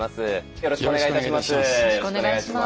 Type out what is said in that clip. よろしくお願いします。